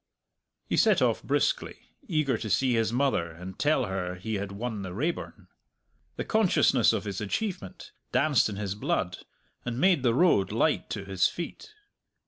He set off briskly, eager to see his mother and tell her he had won the Raeburn. The consciousness of his achievement danced in his blood, and made the road light to his feet.